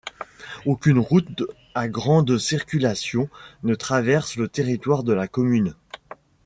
Aucune route à grande circulation ne traverse le territoire de la commune.